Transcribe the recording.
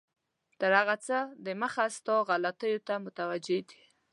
هغه تر هر څه دمخه ستا غلطیو ته متوجه دی.